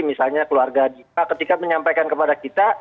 misalnya keluarga kita ketika menyampaikan kepada kita